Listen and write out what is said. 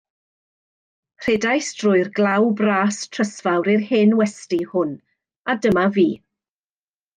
Rhedais drwy'r glaw bras trysfawr i'r hen westy hwn, a dyma fi.